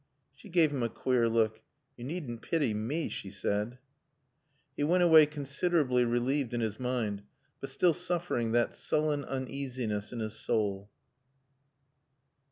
She gave him a queer look. "Yo' needn' pity mae," she said. He went away considerably relieved in his mind, but still suffering that sullen uneasiness in his soul.